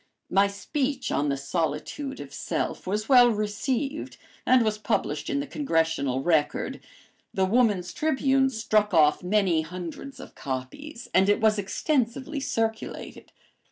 My speech on the "Solitude of Self" was well received and was published in the Congressional Record. The Woman's Tribune struck off many hundreds of copies and it was extensively circulated.